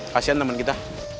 kasian temen kita